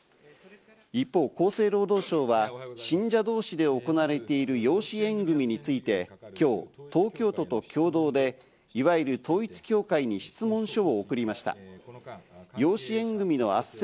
一方、厚生労働省は信者同士で行われている養子縁組について今日、東京都と共同で、いわゆる統一教会に質問書を送りました。